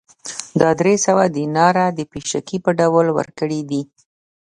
دا درې سوه دیناره د پېشکي په ډول ورکړي دي